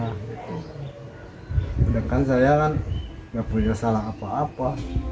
sedangkan saya kan tidak punya masalah apa apa